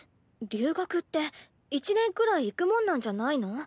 留学って１年くらい行くもんなんじゃないの？